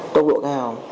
tô bộ gào